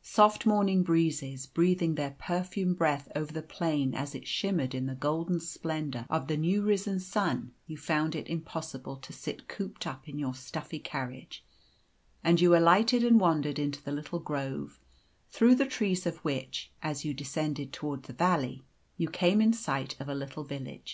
Soft morning breezes, breathing their perfumed breath over the plain as it shimmered in the golden splendour of the new risen sun, you found it impossible to sit cooped up in your stuffy carriage, and you alighted and wandered into the little grove, through the trees of which, as you descended towards the valley, you came in sight of a little village.